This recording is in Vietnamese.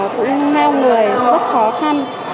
cũng leo người rất khó khăn